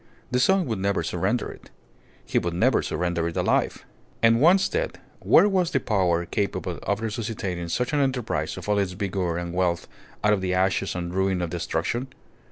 The son would never surrender it. He would never surrender it alive. And once dead, where was the power capable of resuscitating such an enterprise in all its vigour and wealth out of the ashes and ruin of destruction?